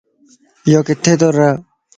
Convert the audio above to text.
يوڪٿي تو ره؟